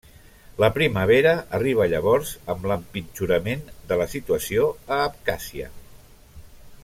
La primavera arriba llavors amb l'empitjorament de la situació a Abkhàzia.